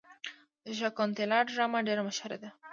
د شاکونتالا ډرامه ډیره مشهوره ده.